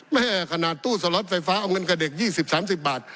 แม่ขนาดตู้สล็อตไฟฟ้าเอาเงินกับเด็ก๒๐๓๐บาท